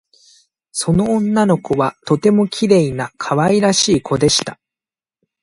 その女の子はとてもきれいなかわいらしいこでした